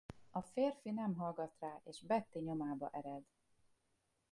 A férfi nem hallgat rá és Betty nyomába ered.